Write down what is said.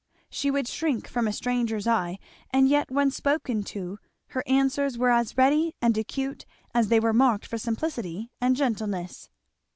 She would shrink from a stranger's eye, and yet when spoken to her answers were as ready and acute as they were marked for simplicity and gentleness.